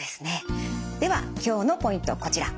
では今日のポイントこちら。